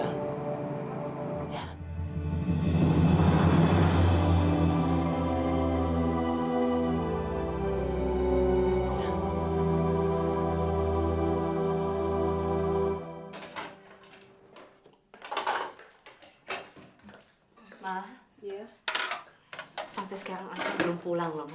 ma sampai sekarang aku belum pulang loh ma